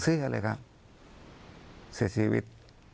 เสื้อเลยครับเสียชีวิต